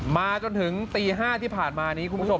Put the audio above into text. มาจนถึงตี๕ที่ผ่านมานี้คุณผู้ชม